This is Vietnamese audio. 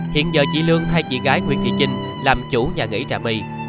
hiện giờ chị lương thay chị gái nguyễn thị trinh làm chủ nhà nghỉ trà mì